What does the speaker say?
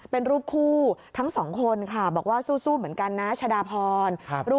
เป็นรูปคู่ทั้งสองคนค่ะบอกว่าสู้เหมือนกันนะชะดาพร